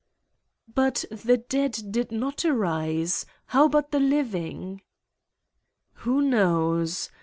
"But the dead did not arise. How about the living?" "Who knows?